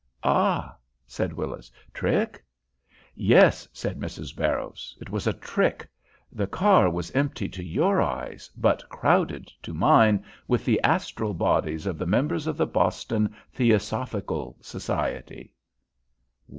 "Ah?" said Willis. "Trick?" "Yes," said Mrs. Barrows. "It was a trick. The car was empty to your eyes, but crowded to mine with the astral bodies of the members of the Boston Theosophical Society."